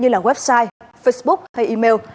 như là website facebook hay email